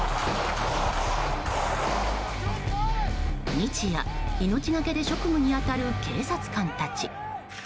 日夜、命がけで職務に当たる警察官たち。